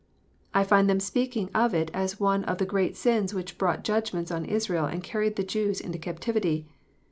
I find them speak ing of it as one of the great sins which brought judgments on Israel and carried the Jews into captivity.